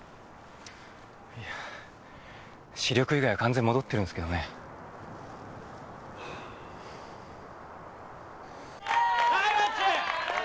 いや視力以外は完全に戻ってるんですけどねナイバッチ！